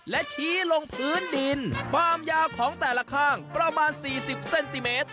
และชี้ลงพื้นดินความยาวของแต่ละข้างประมาณ๔๐เซนติเมตร